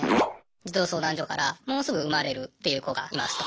児童相談所からもうすぐ生まれるっていう子がいますと。